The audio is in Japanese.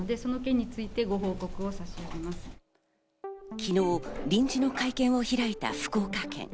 昨日、臨時の会見を開いた福岡県。